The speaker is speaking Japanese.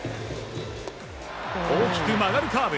大きく曲がるカーブ。